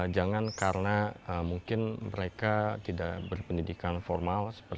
jangan karena mungkin mereka tidak berpendidikan formal